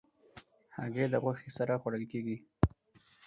هګۍ د غوښې سره خوړل کېږي.